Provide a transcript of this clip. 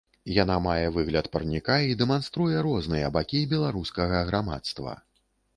Яна мае выгляд парніка і дэманструе розныя бакі беларускага грамадства.